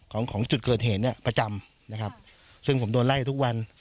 ของของจุดเกิดเหตุเนี้ยประจำนะครับซึ่งผมโดนไล่ทุกวัน